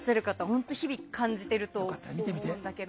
本当に日々感じていらっしゃると思うんですけど。